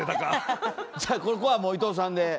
じゃあここはもう伊藤さんで。